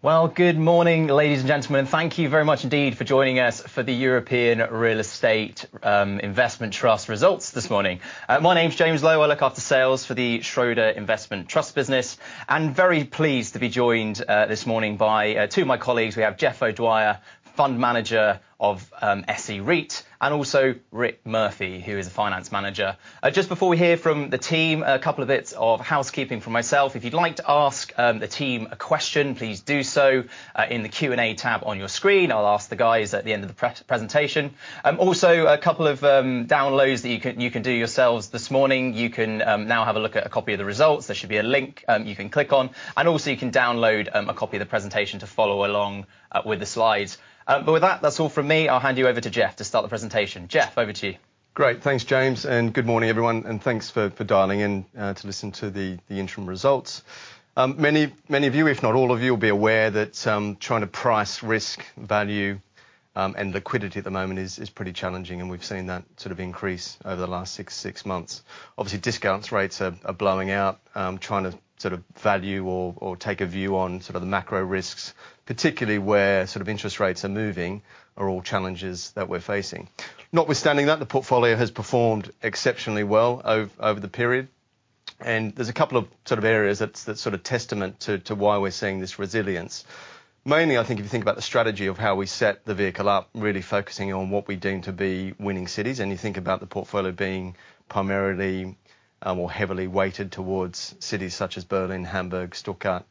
Well, good morning, ladies and gentlemen. Thank you very much indeed for joining us for the European Real Estate Investment Trust results this morning. My name's James Lowe. I look after sales for the Schroders Investment Trust business, and very pleased to be joined this morning, by two of my colleagues. We have Jeff O'Dwyer, Fund Manager of SEREIT, and also Rick Murphy, who is a Finance Manager. Just before we hear from the team, a couple of bits of housekeeping from myself. If you'd like to ask the team a question, please do so in the Q&A tab on your screen. I'll ask the guys at the end of the presentation. Also, a couple of downloads that you can do yourselves this morning. You can now have a look at a copy of the results. There should be a link you can click on, and also, you can download a copy of the presentation to follow along with the slides. With that's all from me. I'll hand you over to Jeff to start the presentation. Jeff, over to you. Great. Thanks, James, good morning, everyone, and thanks for dialling in to listen to the interim results. Many of you, if not all of you, will be aware that trying to price risk, value, and liquidity at the moment is pretty challenging, and we've seen that sort of increase over the last 6 months. Obviously, discounts rates are blowing out. Trying to sort of value or take a view on sort of the macro risks, particularly where sort of interest rates are moving, are all challenges that we're facing. Notwithstanding that, the portfolio has performed exceptionally well over the period, and there's a couple of sort of areas that's sort of testament to why we're seeing this resilience. Mainly, I think if you think about the strategy of how we set the vehicle up, really focusing on what we deem to be winning cities. You think about the portfolio being primarily, or heavily weighted towards cities such as Berlin, Hamburg, Stuttgart,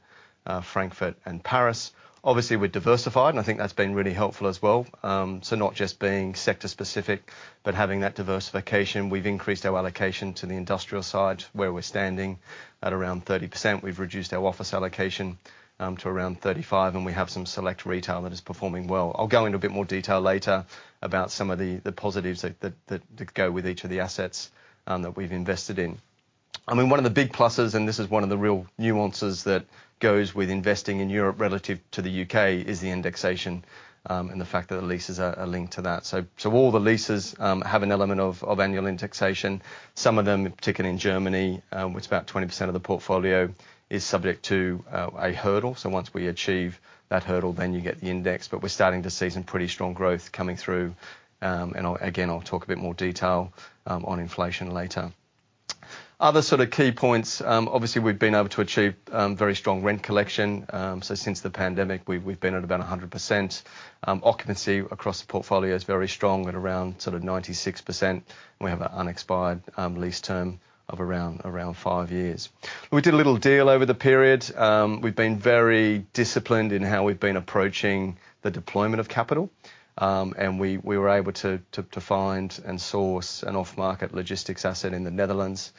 Frankfurt, and Paris. Obviously, we're diversified, I think that's been really helpful as well. Not just being sector specific but having that diversification. We've increased our allocation to the industrial side, where we're standing at around 30%. We've reduced our office allocation, to around 35%, and we have some select retail that is performing well. I'll go into a bit more detail later about some of the positives that go with each of the assets that we've invested in. I mean, one of the big pluses, and this is one of the real nuances that goes with investing in Europe relative to the UK, is the indexation, and the fact that the leases are linked to that. All the leases have an element of annual indexation. Some of them, particularly in Germany, which about 20% of the portfolio, is subject to a hurdle. Once we achieve that hurdle, then you get the index. We're starting to see some pretty strong growth coming through. Again, I'll talk a bit more detail on inflation later. Other sort of key points, obviously, we've been able to achieve very strong rent collection. Since the pandemic, we've been at about 100%. Occupancy across the portfolio is very strong at around 96%, and we have an unexpired lease term of around 5 years. We did a little deal over the period. We've been very disciplined in how we've been approaching the deployment of capital, and we were able to find and source an off-market logistics asset in the Netherlands.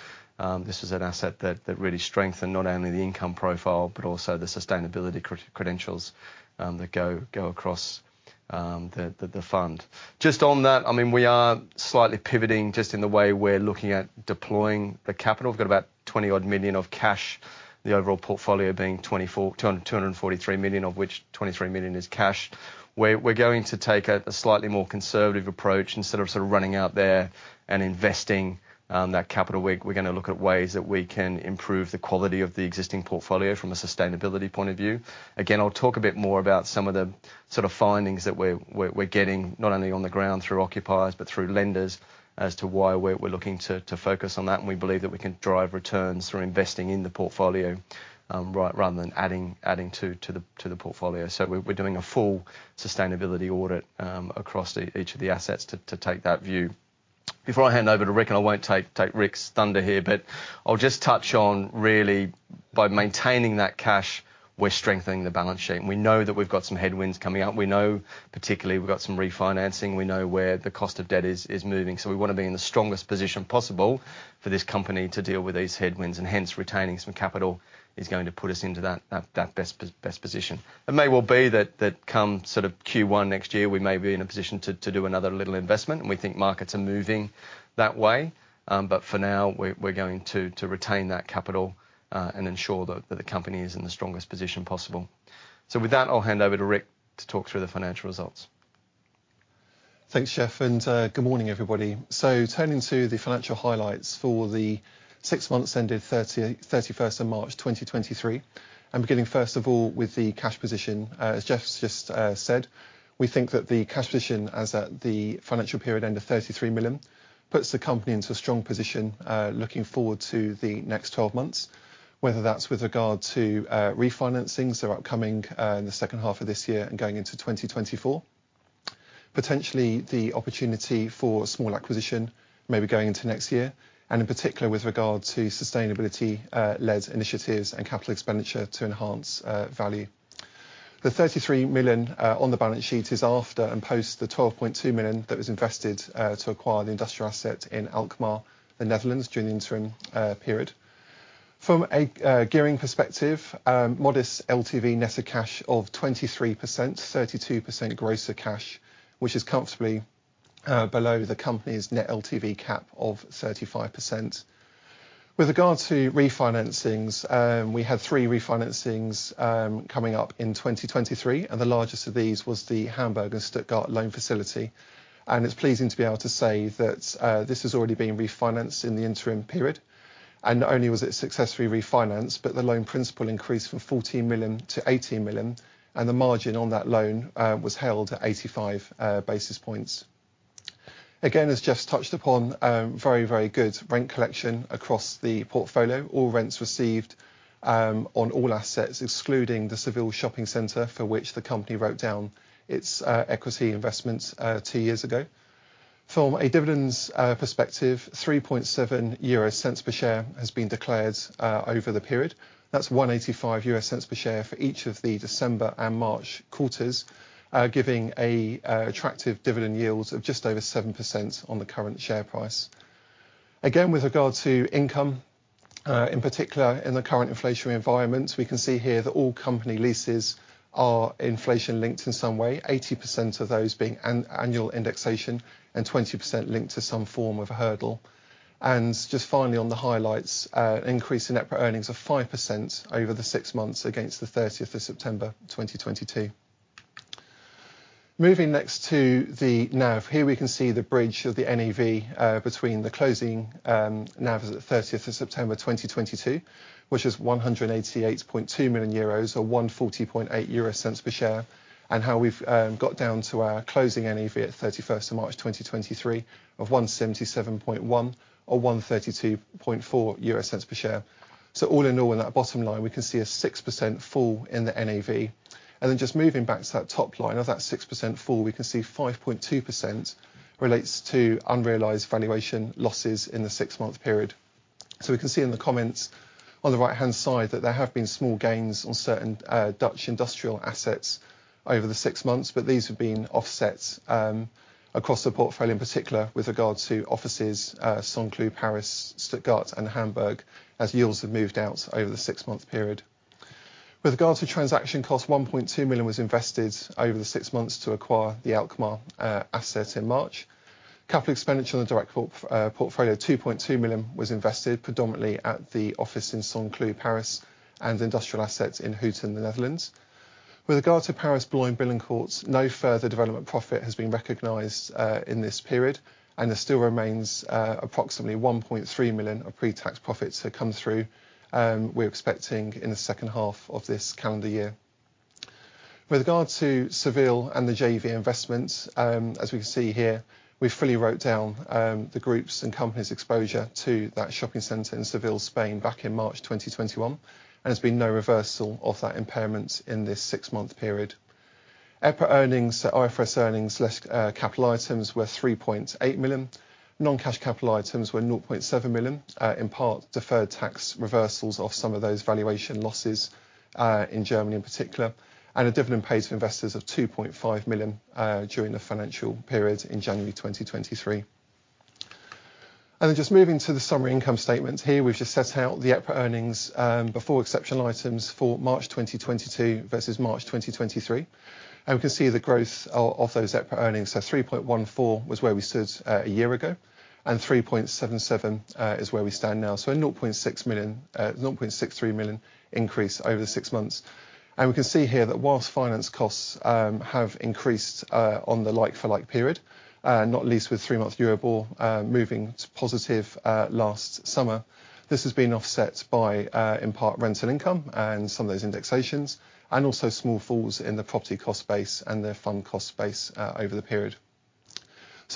This was an asset that really strengthened not only the income profile but also the sustainability credentials that go across the fund. Just on that, I mean, we are slightly pivoting, just in the way we're looking at deploying the capital. We've got about 20-odd million of cash, the overall portfolio being 243 million, of which 23 million is cash. We're going to take a slightly more conservative approach. Instead of sort of running out there and investing, that capital, we're gonna look at ways that we can improve the quality of the existing portfolio from a sustainability point of view. Again, I'll talk a bit more about some of the sort of findings that we're getting, not only on the ground through occupiers but through lenders, as to why we're looking to focus on that, and we believe that we can drive returns through investing in the portfolio, rather than adding to the portfolio. We're doing a full sustainability audit across each of the assets to take that view. Before I hand over to Rick, and I won't take Rick's thunder here, but I'll just touch on, really, by maintaining that cash, we're strengthening the balance sheet. We know that we've got some headwinds coming up. We know particularly we've got some refinancing. We know where the cost of debt is moving, so we want to be in the strongest position possible for this company to deal with these headwinds, and hence, retaining some capital is going to put us into that best position. It may well be that come sort of Q1 next year, we may be in a position to do another little investment, and we think markets are moving that way. For now, we're going to retain that capital and ensure that the company is in the strongest position possible. With that, I'll hand over to Rick to talk through the financial results. Thanks, Jeff, and good morning, everybody. Turning to the financial highlights for the six months ending 31st of March, 2023, and beginning, first of all, with the cash position. As Jeff's just said, we think that the cash position, as at the financial period end of 33 million, puts the company into a strong position, looking forward to the next 12 months, whether that's with regard to refinancing, so upcoming in the second half of this year and going into 2024. Potentially, the opportunity for a small acquisition, maybe going into next year, and in particular, with regard to sustainability-led initiatives and capital expenditure to enhance value. The 33 million on the balance sheet is after and post the 12.2 million that was invested to acquire the industrial asset in Alkmaar, the Netherlands, during the interim period. From a gearing perspective, modest LTV net of cash of 23%, 32% gross of cash, which is comfortably below the company's net LTV cap of 35%. With regard to refinancings, we had three refinancings coming up in 2023, and the largest of these was the Hamburg and Stuttgart loan facility, and it's pleasing to be able to say that this has already been refinanced in the interim period. Not only was it successfully refinanced, but the loan principal increased from 14 million to 18 million, and the margin on that loan was held at 85 basis points. As Jeff touched upon, very, very good rent collection across the portfolio. All rents received on all assets, excluding the Metromar shopping centre, for which the company wrote down its equity investments 2 years ago. From a dividends perspective, 0.037 per share has been declared over the period. That's $0.0185 per share for each of the December and March quarters, giving a attractive dividend yield of just over 7% on the current share price. With regard to income, in particular, in the current inflationary environment, we can see here that all company leases are inflation-linked in some way, 80% of those being annual indexation and 20% linked to some form of a hurdle. Just finally, on the highlights, an increase in EPRA earnings of 5% over the 6 months against the 30th of September 2022. Moving next to the NAV. Here we can see the bridge of the NAV, between the closing NAV as at 30th of September 2022, which is 188.2 million euros, or 140.8 euro cents per share, and how we've got down to our closing NAV at 31st of March 2023, of 177.1 million or 132.4 euro cents per share. All in all, in that bottom line, we can see a 6% fall in the NAV. Just moving back to that top line, of that 6% fall, we can see 5.2% relates to unrealized valuation losses in the 6-month period. We can see in the comments on the right-hand side that there have been small gains on certain Dutch industrial assets over the six months, but these have been offset across the portfolio, in particular with regard to offices, Saint-Cloud, Paris, Stuttgart and Hamburg, as yields have moved out over the six-month period. With regard to transaction costs, 1.2 million was invested over the six months to acquire the Alkmaar asset in March. Capital expenditure on the direct portfolio, 2.2 million was invested, predominantly at the office in Saint-Cloud, Paris, and industrial assets in Houten, in the Netherlands. With regard to Paris Boulogne Billancourt, no further development profit has been recognized in this period, and there still remains approximately 1.3 million of pre-tax profits to come through, we're expecting in the second half of this calendar year. With regard to Seville and the JV investments, as we can see here, we fully wrote down the groups and companies exposure to that shopping center in Seville, Spain, back in March 2021, and there's been no reversal of that impairment in this six-month period. EPRA earnings, IFRS earnings, less capital items, were 3.8 million. Non-cash capital items were 0.7 million, in part, deferred tax reversals of some of those valuation losses in Germany in particular, and a dividend paid to investors of 2.5 million during the financial period in January 2023. Just moving to the summary income statement here, we've just set out the EPRA earnings before exceptional items for March 2022 versus March 2023, and we can see the growth of those EPRA earnings. 3.14 was where we stood a year ago, and 3.77 is where we stand now. A 0.63 million increase over the six months. We can see here that whilst finance costs have increased on the like-for-like period, not least with three-month Euribor moving to positive last summer, this has been offset by in part, rental income and some of those indexations, and also small falls in the property cost base and the fund cost base over the period.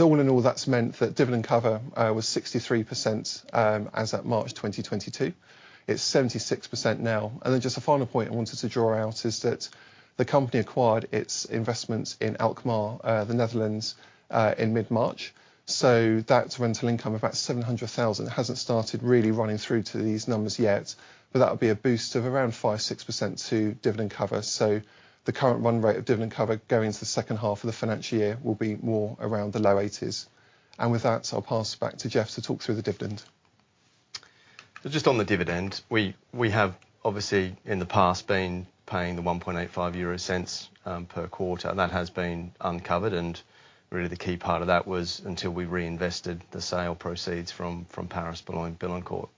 All in all, that's meant that dividend cover was 63% as at March 2022. It's 76% now. Just a final point I wanted to draw out is that the company acquired its investments in Alkmaar, the Netherlands, in mid-March. That rental income of about 700,000 hasn't started really running through to these numbers yet, but that would be a boost of around 5%-6% to dividend cover. The current run rate of dividend cover going into the second half of the financial year will be more around the low eighties. I'll pass it back to Jeff to talk through the dividend. Just on the dividend, we have obviously, in the past, been paying 0.0185 per quarter. That has been uncovered, and really the key part of that was until we reinvested the sale proceeds from Paris Boulogne Billancourt.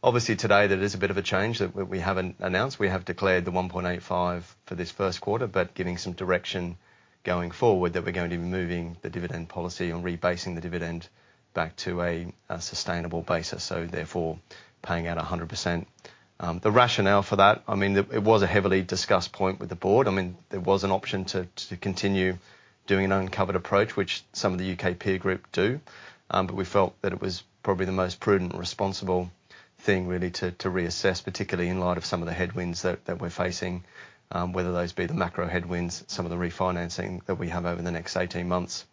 Obviously, today there is a bit of a change that we haven't announced. We have declared 0.0185 for this first quarter, but giving some direction going forward, that we're going to be moving the dividend policy and rebasing the dividend back to a sustainable basis, so therefore, paying out 100%. The rationale for that, I mean, it was a heavily discussed point with the board. I mean, there was an option to continue doing an uncovered approach, which some of the U.K. peer group do, but we felt that it was probably the most prudent and responsible thing, really, to reassess, particularly in light of some of the headwinds that we're facing, whether those be the macro headwinds, some of the refinancing that we have over the next 18 months,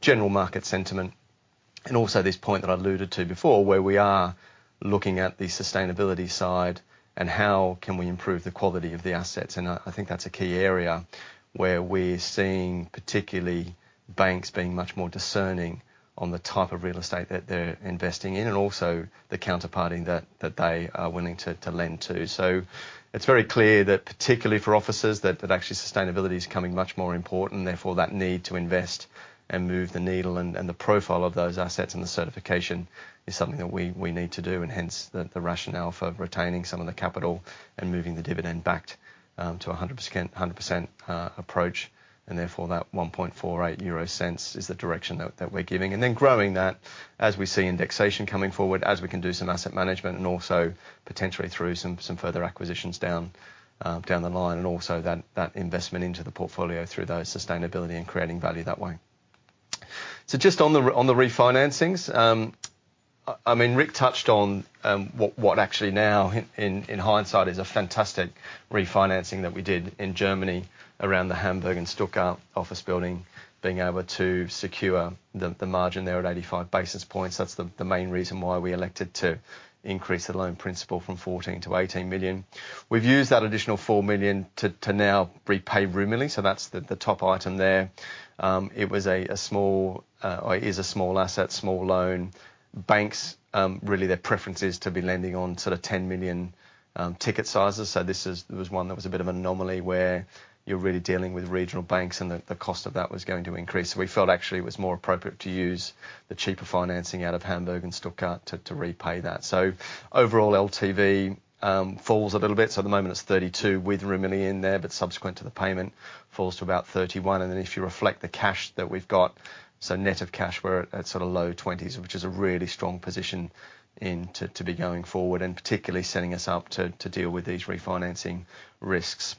general market sentiment, and also this point that I alluded to before, where we are looking at the sustainability side and how can we improve the quality of the assets. And I think that's a key area where we're seeing, particularly banks being much more discerning on the type of real estate that they're investing in, and also the counterparty that they are willing to lend to. It's very clear that particularly for offices, that actually sustainability is becoming much more important, therefore, that need to invest and move the needle and the profile of those assets and the certification is something that we need to do, and hence, the rationale for retaining some of the capital and moving the dividend back to a 100% approach, and therefore that 0.0148 is the direction that we're giving. Growing that, as we see indexation coming forward, as we can do some asset management and potentially through some further acquisitions down the line, and also that investment into the portfolio through those sustainability and creating value that way. Just on the refinancings, I mean, Rick touched on what actually now in hindsight, is a fantastic refinancing that we did in Germany around the Hamburg and Stuttgart office building, being able to secure the margin there at 85 basis points. That's the main reason why we elected to increase the loan principal from 14 million to 18 million. We've used that additional 4 million to now repay Rumilly. That's the top item there. It was a small or is a small asset, small loan. Banks really their preference is to be lending on sort of 10 million ticket sizes. This was one that was a bit of anomaly, where you're really dealing with regional banks, and the cost of that was going to increase. We felt actually it was more appropriate to use the cheaper financing out of Hamburg and Stuttgart to repay that. Overall, LTV falls a little bit, so at the moment it's 32 with Rumilly in there, but subsequent to the payment, falls to about 31, and then if you reflect the cash that we've got, so net of cash, we're at sort of low 20s, which is a really strong position in to be going forward and particularly setting us up to deal with these refinancing risks.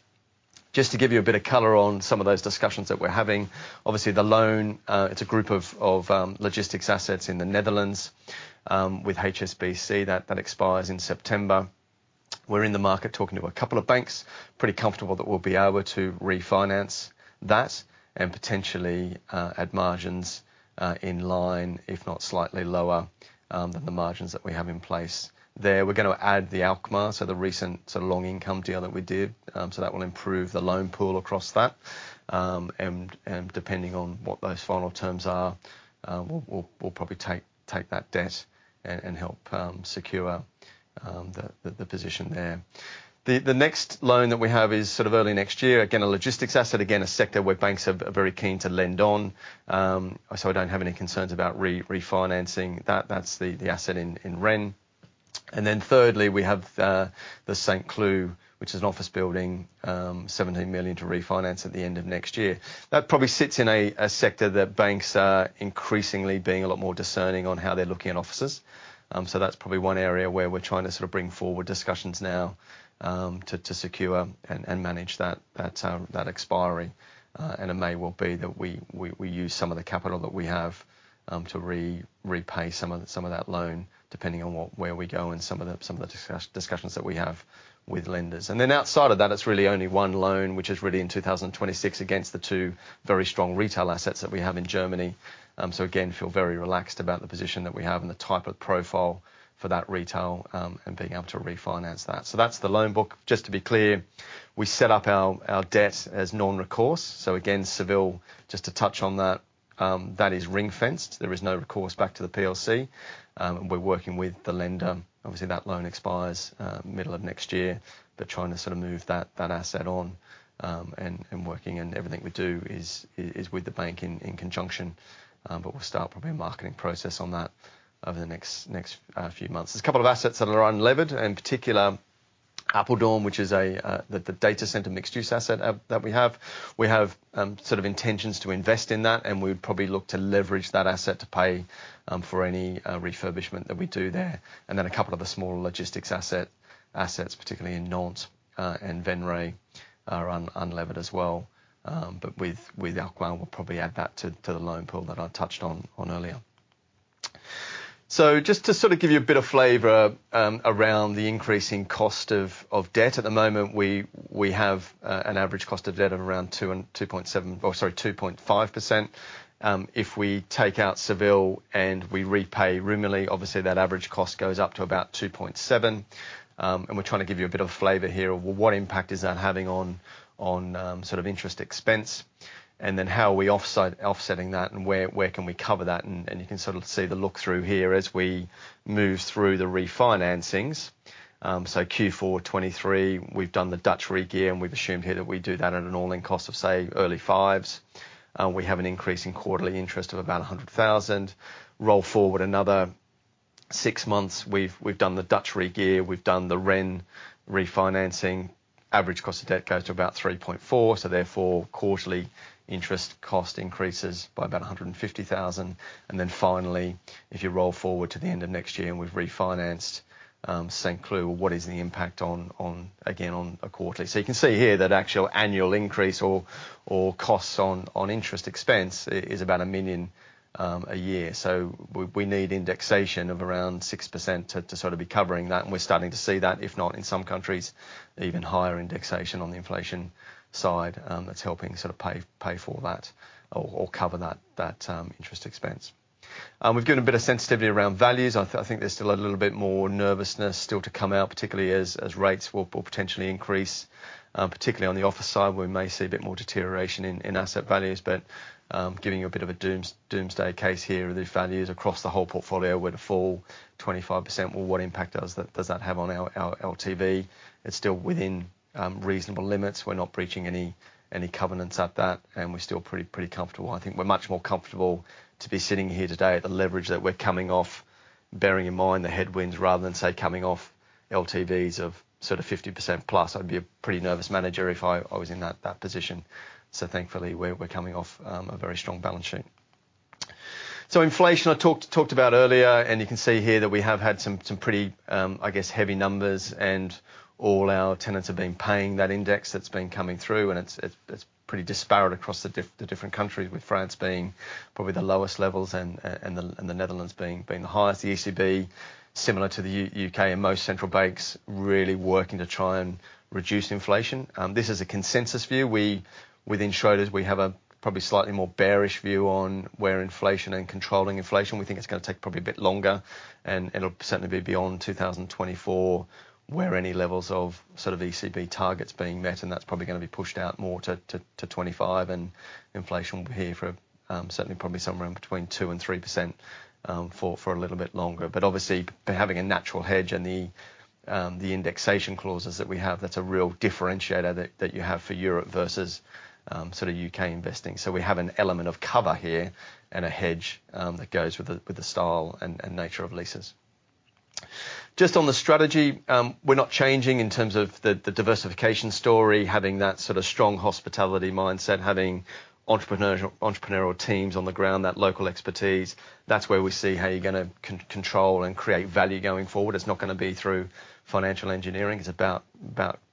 Just to give you a bit of color on some of those discussions that we're having, obviously, the loan, it's a group of logistics assets in the Netherlands, with HSBC, that expires in September. We're in the market talking to a couple of banks. Pretty comfortable that we'll be able to refinance that and potentially, at margins, in line, if not slightly lower, than the margins that we have in place there. We're gonna add the Alkmaar, so the recent sort of long income deal that we did. That will improve the loan pool across that. Depending on what those final terms are, we'll probably take that debt and help secure the position there. The next loan that we have is sort of early next year, again, a logistics asset, again, a sector where banks are very keen to lend on. I don't have any concerns about refinancing that. That's the asset in Rennes. Thirdly, we have, the Saint Cloud, which is an office building, 17 million to refinance at the end of next year. That probably sits in a sector that banks are increasingly being a lot more discerning on how they're looking at offices. That's probably one area where we're trying to sort of bring forward discussions now, to secure and manage that expiry. It may well be that we use some of the capital that we have, to repay some of that loan, depending on where we go and some of the discussions that we have with lenders. Outside of that, it's really only one loan, which is really in 2026, against the 2 very strong retail assets that we have in Germany. Again, feel very relaxed about the position that we have and the type of profile for that retail, and being able to refinance that. That's the loan book. Just to be clear, we set up our debt as non-recourse. Again, Seville, just to touch on that is ring-fenced. There is no recourse back to the PLC. We're working with the lender. Obviously, that loan expires, middle of next year, but trying to sort of move that asset on, and working, and everything we do is with the bank in conjunction. We'll start probably a marketing process on that over the next few months. There's a couple of assets that are unlevered, in particular, Apeldoorn, which is a data center mixed-use asset that we have. We have sort of intentions to invest in that, and we'd probably look to leverage that asset to pay for any refurbishment that we do there. A couple of the smaller logistics assets, particularly in Nantes and Venray, are unlevered as well. With Alkmaar, we'll probably add that to the loan pool that I touched on earlier. Just to sort of give you a bit of flavor around the increasing cost of debt, at the moment, we have an average cost of debt of around 2.5%. If we take out Seville, and we repay Rumilly, obviously, that average cost goes up to about 2.7%. We're trying to give you a bit of flavor here of what impact is that having on sort of interest expense, and then how are we offsetting that, and where can we cover that? You can sort of see the look through here as we move through the refinancings. Q4 '23, we've done the Dutch regear, and we've assumed here that we do that at an all-in cost of, say, early fives. We have an increase in quarterly interest of about 100,000. Roll forward another six months, we've done the Dutch regear, we've done the Rennes refinancing. Average cost of debt goes to about 3.4%, so therefore, quarterly interest cost increases by about 150,000. Finally, if you roll forward to the end of next year, and we've refinanced Saint-Cloud, what is the impact on, again, on a quarterly? You can see here that actual annual increase or costs on interest expense is about 1 million a year. We need indexation of around 6% to sort of be covering that, and we're starting to see that, if not in some countries, even higher indexation on the inflation side. That's helping sort of pay for that or cover that interest expense. We've given a bit of sensitivity around values. I think there's still a little bit more nervousness still to come out, particularly as rates will potentially increase. Particularly on the office side, we may see a bit more deterioration in asset values. Giving you a bit of a doomsday case here, the values across the whole portfolio were to fall 25%, well, what impact does that have on our LTV? It's still within reasonable limits. We're not breaching any covenants at that, and we're still pretty comfortable. I think we're much more comfortable to be sitting here today at the leverage that we're coming off. bearing in mind the headwinds rather than, say, coming off LTVs of sort of 50% plus, I'd be a pretty nervous manager if I was in that position. Thankfully, we're coming off a very strong balance sheet. Inflation, I talked about earlier, and you can see here that we have had some pretty, I guess, heavy numbers, and all our tenants have been paying that index that's been coming through, and it's pretty disparate across the different countries, with France being probably the lowest levels and the Netherlands being the highest. The ECB, similar to the U.K. and most central banks, really working to try and reduce inflation. This is a consensus view. We, within Schroders, we have a probably slightly more bearish view on where inflation and controlling inflation, we think it's gonna take probably a bit longer, and it'll certainly be beyond 2024, where any levels of sort of ECB targets being met, and that's probably gonna be pushed out more to 25. Inflation will be here for certainly probably somewhere in between 2% and 3% for a little bit longer. Obviously, by having a natural hedge and the indexation clauses that we have, that's a real differentiator that you have for Europe versus sort of UK investing. We have an element of cover here and a hedge that goes with the style and nature of leases. Just on the strategy, we're not changing in terms of the diversification story, having that sort of strong hospitality mindset, having entrepreneurial teams on the ground, that local expertise, that's where we're gonna control and create value going forward. It's not gonna be through financial engineering. It's about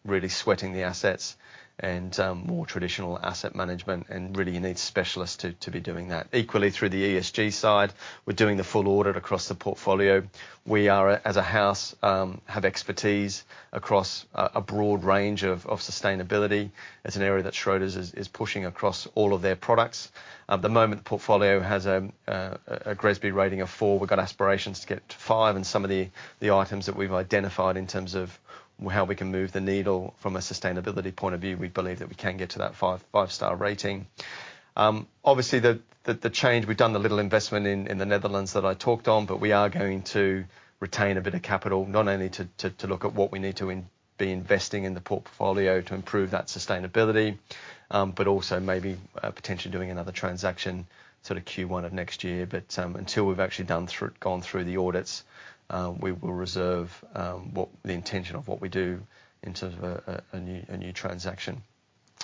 really sweating the assets and more traditional asset management, and really, you need specialists to be doing that. Through the ESG side, we're doing the full audit across the portfolio. We are, as a house, have expertise across a broad range of sustainability. It's an area that Schroders is pushing across all of their products. At the moment, the portfolio has a GRESB rating of 4. We've got aspirations to get to 5, and some of the items that we've identified in terms of how we can move the needle from a sustainability point of view, we believe that we can get to that 5-star rating. Obviously, the change we've done the little investment in the Netherlands that I talked on, but we are going to retain a bit of capital, not only to look at what we need to be investing in the portfolio to improve that sustainability, but also maybe potentially doing another transaction sort of Q1 of next year. Until we've actually gone through the audits, we will reserve what the intention of what we do in terms of a new transaction.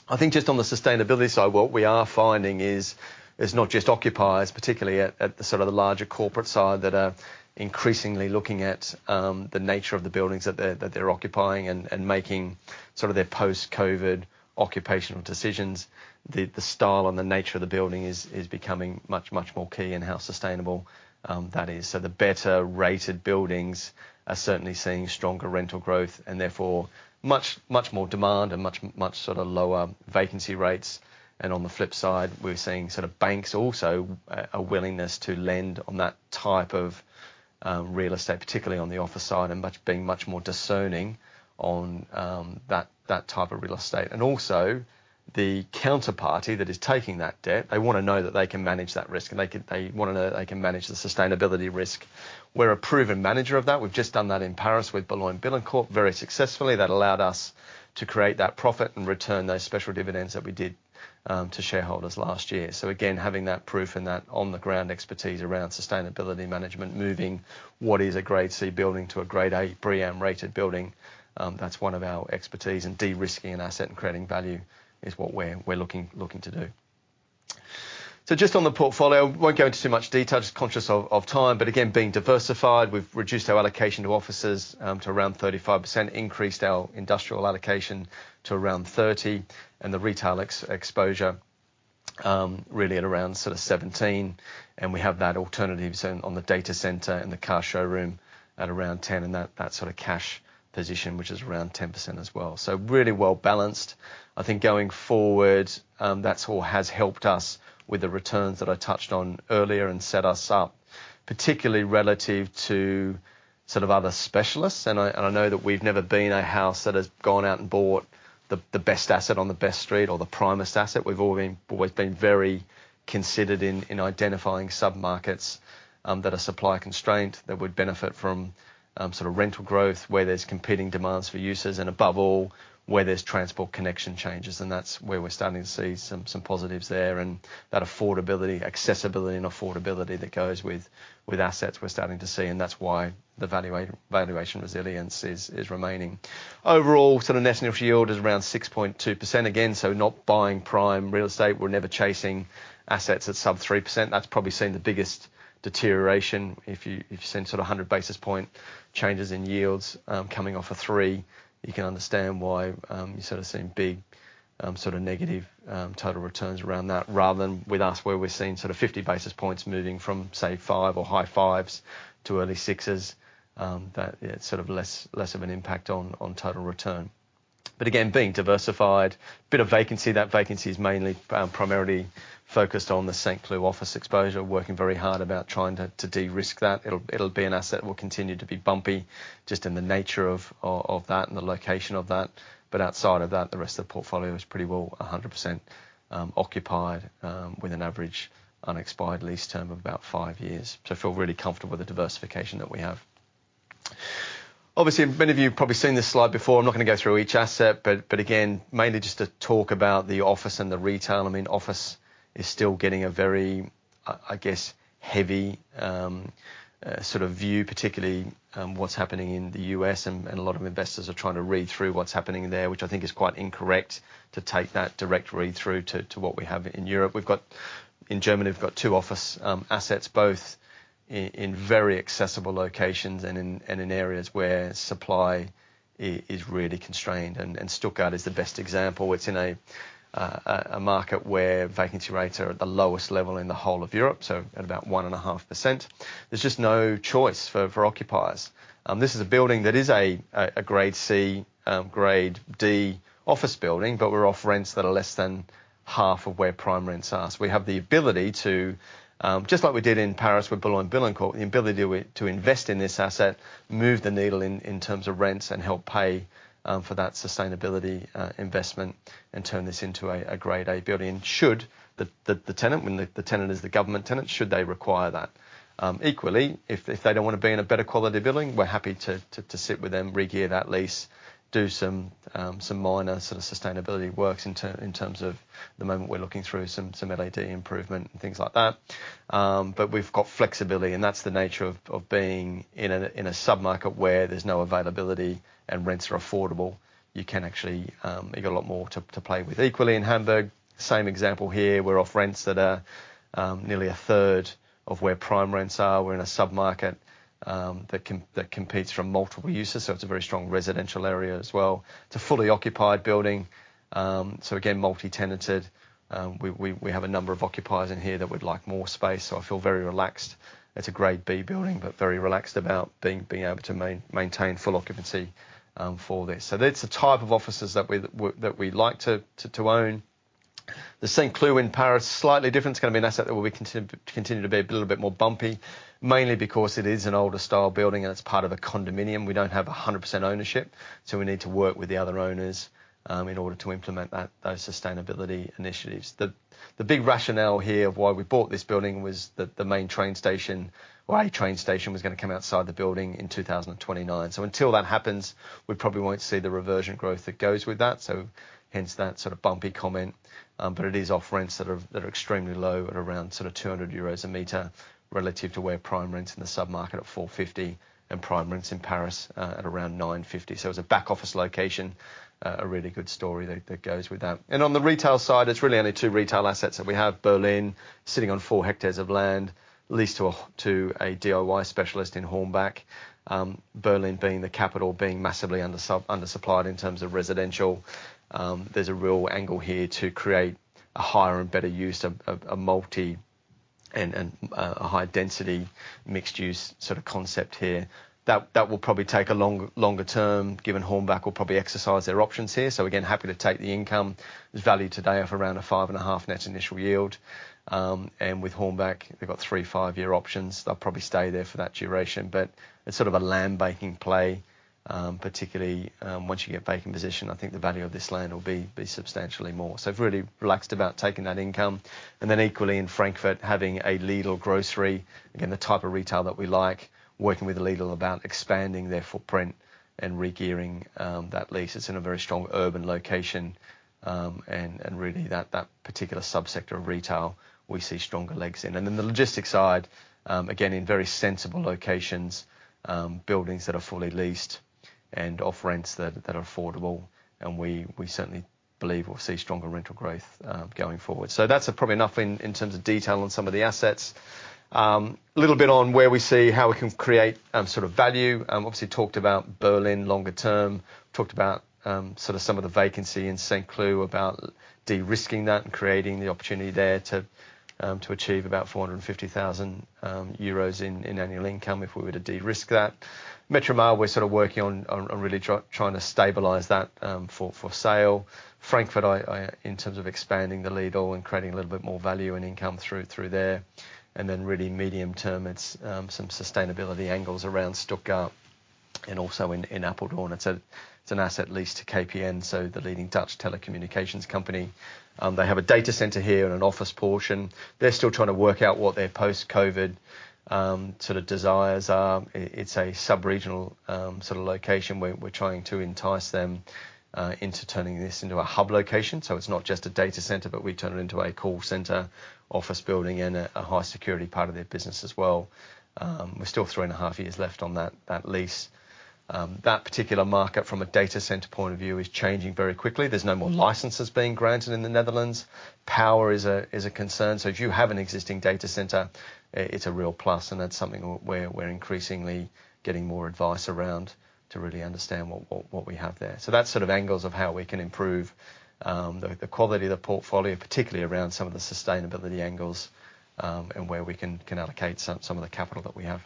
I think just on the sustainability side, what we are finding is it's not just occupiers, particularly at the sort of the larger corporate side, that are increasingly looking at the nature of the buildings that they're, that they're occupying and making sort of their post-COVID occupational decisions. The style and the nature of the building is becoming much, much more key and how sustainable that is. The better-rated buildings are certainly seeing stronger rental growth and therefore much, much more demand and much, much sort of lower vacancy rates. On the flip side, we're seeing sort of banks also a willingness to lend on that type of real estate, particularly on the office side, and being much more discerning on that type of real estate. Also, the counterparty that is taking that debt, they wanna know that they can manage that risk, they wanna know they can manage the sustainability risk. We're a proven manager of that. We've just done that in Paris with Boulogne-Billancourt very successfully. That allowed us to create that profit and return those special dividends that we did to shareholders last year. Again, having that proof and that on-the-ground expertise around sustainability management, moving what is a Grade C building to a Grade A BREEAM-rated building, that's one of our expertise. De-risking an asset and creating value is what we're looking to do. Just on the portfolio, won't go into too much detail, just conscious of time, but again, being diversified, we've reduced our allocation to offices to around 35%, increased our industrial allocation to around 30%, and the retail exposure really at around 17%. We have that alternative zone on the data center and the car showroom at around 10%, and that sort of cash position, which is around 10% as well. Really well-balanced. I think going forward, that's all has helped us with the returns that I touched on earlier and set us up, particularly relative to sort of other specialists. I know that we've never been a house that has gone out and bought the best asset on the best street or the primest asset. We've all been, always been very considered in identifying sub-markets that are supply-constrained, that would benefit from sort of rental growth, where there's competing demands for users, and above all, where there's transport connection changes. That's where we're starting to see some positives there. That affordability, accessibility and affordability that goes with assets we're starting to see, and that's why the valuation resilience is remaining. Overall, sort of net initial yield is around 6.2%. Again, not buying prime real estate. We're never chasing assets at sub 3%. That's probably seen the biggest deterioration. If you, if you've seen sort of 100 basis point changes in yields, coming off a 3, you can understand why, you're sort of seeing big, sort of negative, total returns around that, rather than with us, where we're seeing sort of 50 basis points moving from, say, 5 or high 5s to early 6s. That, it's sort of less, less of an impact on total return. Again, being diversified, bit of vacancy. That vacancy is mainly, primarily focused on the Saint Cloud office exposure, working very hard about trying to de-risk that. It'll be an asset, will continue to be bumpy, just in the nature of that and the location of that. Outside of that, the rest of the portfolio is pretty well 100% occupied with an average unexpired lease term of about 5 years. I feel really comfortable with the diversification that we have. Obviously, many of you have probably seen this slide before. I'm not gonna go through each asset, but again, mainly just to talk about the office and the retail. I mean, office is still getting a very, I guess, heavy sort of view, particularly what's happening in the U.S., and a lot of investors are trying to read through what's happening there, which I think is quite incorrect to take that direct read-through to what we have in Europe. We've got In Germany, we've got two office assets, both in very accessible locations and in areas where supply is really constrained, and Stuttgart is the best example. It's in a market where vacancy rates are at the lowest level in the whole of Europe, so at about 1.5%. There's just no choice for occupiers. This is a building that is a Grade C Grade D office building, but we're off rents that are less than half of where prime rents are. We have the ability to, just like we did in Paris, with Boulogne-Billancourt, the ability to invest in this asset, move the needle in terms of rents and help pay for that sustainability investment and turn this into a Grade A building, should the tenant, when the tenant is the government tenant, should they require that. Equally, if they don't wanna be in a better quality building, we're happy to sit with them, regear that lease, do some minor sort of sustainability works in terms of the moment we're looking through some LED improvement and things like that. We've got flexibility, and that's the nature of being in a sub-market where there's no availability and rents are affordable. You can actually. You've got a lot more to play with. In Hamburg, same example here, we're off rents that are nearly a third of where prime rents are. We're in a sub-market that competes from multiple uses, so it's a very strong residential area as well. It's a fully occupied building. Again, multi-tenanted. We have a number of occupiers in here that would like more space, so I feel very relaxed. It's a Grade B building, very relaxed about being able to maintain full occupancy for this. That's the type of offices that we like to own. The Saint Cloud in Paris, slightly different. It's gonna be an asset that will be continue to be a little bit more bumpy, mainly because it is an older style building, and it's part of a condominium. We don't have 100% ownership, so we need to work with the other owners, in order to implement that, those sustainability initiatives. The big rationale here of why we bought this building was that the main train station, or a train station, was gonna come outside the building in 2029. Until that happens, we probably won't see the reversion growth that goes with that, so hence that sort of bumpy comment. It is off rents that are extremely low at around sort of 200 euros a meter relative to where prime rents in the sub-market at 450 and prime rents in Paris at around 950. It's a back office location, a really good story that goes with that. On the retail side, it's really only two retail assets, and we have Berlin sitting on 4 hectares of land, leased to a DIY specialist in Hornbach. Berlin being the capital, being massively undersupplied in terms of residential. There's a real angle here to create a higher and better use of a multi and a high-density, mixed-use sort of concept here. That will probably take a longer term, given Hornbach will probably exercise their options here. Again, happy to take the income. It's valued today of around a 5.5 net initial yield. With Hornbach, they've got 3 5-year options. They'll probably stay there for that duration, but it's sort of a land banking play, particularly once you get banking position, I think the value of this land will be substantially more. We're really relaxed about taking that income. Equally in Frankfurt, having a Lidl grocery, again, the type of retail that we like, working with Lidl about expanding their footprint and regearing that lease. It's in a very strong urban location, and really that particular sub-sector of retail, we see stronger legs in. The logistics side, again, in very sensible locations, buildings that are fully leased and off rents that are affordable, we certainly believe we'll see stronger rental growth going forward. That's probably enough in terms of detail on some of the assets. Little bit on where we see how we can create sort of value. Obviously talked about Berlin longer term, talked about sort of some of the vacancy in Saint Cloud, about de-risking that and creating the opportunity there to achieve about 450,000 euros in annual income if we were to de-risk that. Metromar, we're sort of working on really trying to stabilize that for sale. Frankfurt... In terms of expanding the Lidl and creating a little bit more value and income through there, really medium term, it's some sustainability angles around Stuttgart and also in Apeldoorn. It's an asset leased to KPN, so the leading Dutch telecommunications company. They have a data center here and an office portion. They're still trying to work out what their post-COVID sort of desires are. It's a sub-regional sort of location where we're trying to entice them into turning this into a hub location. It's not just a data center, but we turn it into a call center, office building, and a high-security part of their business as well. We're still 3.5 years left on that lease. That particular market, from a data center point of view, is changing very quickly. There's no more licenses being granted in the Netherlands. Power is a concern, so if you have an existing data center, it's a real plus, and that's something we're increasingly getting more advice around to really understand what we have there. That's sort of angles of how we can improve the quality of the portfolio, particularly around some of the sustainability angles, and where we can allocate some of the capital that we have.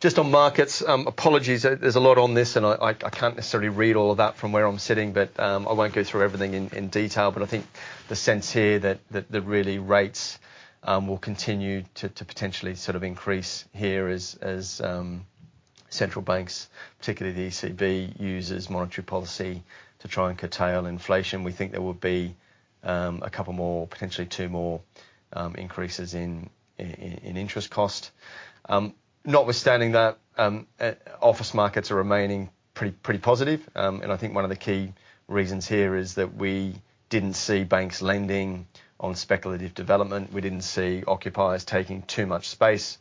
Just on markets, apologies, there's a lot on this, and I can't necessarily read all of that from where I'm sitting, I won't go through everything in detail. I think the sense here that the really rates will continue to potentially sort of increase here as central banks, particularly the ECB, uses monetary policy to try and curtail inflation. We think there will be a couple more, potentially 2 more, increases in interest cost. Notwithstanding that, office markets are remaining pretty positive. I think one of the key reasons here is that we didn't see banks lending on speculative development. We didn't see occupiers taking too much space.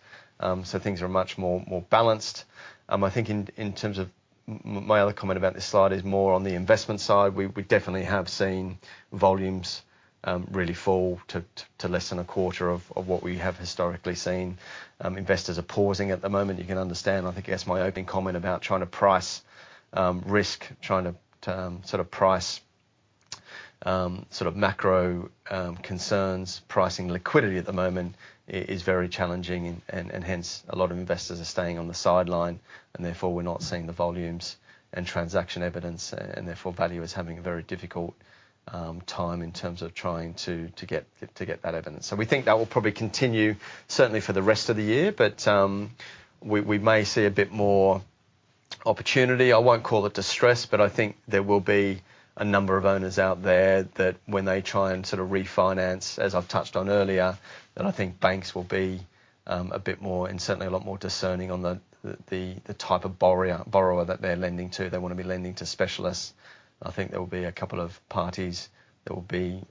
Things are much more balanced. I think in terms of my other comment about this slide is more on the investment side. We definitely have seen volumes really fall to less than a quarter of what we have historically seen. Investors are pausing at the moment. You can understand, I think, yes, my opening comment about trying to price risk, trying to sort of price sort of macro concerns. Pricing liquidity at the moment is very challenging and hence, a lot of investors are staying on the sideline, and therefore, we're not seeing the volumes and transaction evidence, and therefore, value is having a very difficult time in terms of trying to get that evidence. We think that will probably continue certainly for the rest of the year, but we may see a bit more opportunity. I won't call it distress. I think there will be a number of owners out there that when they try and sort of refinance, as I've touched on earlier, that I think banks will be a bit more and certainly a lot more discerning on the type of borrower that they're lending to. They want to be lending to specialists. I think there will be a couple of parties that will be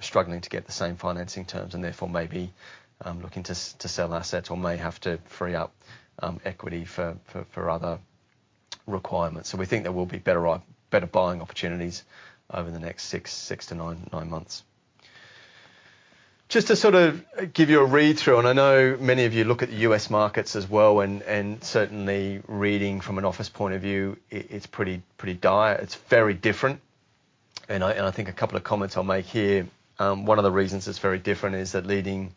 struggling to get the same financing terms and therefore may be looking to sell assets or may have to free up equity for other requirements. We think there will be better buying opportunities over the next six to nine months. Just to sort of give you a read-through, I know many of you look at the US markets as well, and certainly reading from an office point of view, it's pretty dire. It's very different, and I think a couple of comments I'll make here. One of the reasons it's very different is that leading